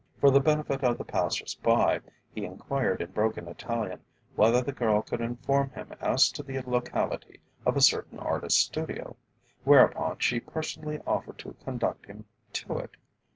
For the benefit of the passers by, he enquired in broken Italian, whether the girl could inform him as to the locality of a certain artist's studio, whereupon she personally offered to conduct him to it.